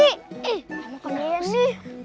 eh kenapa ini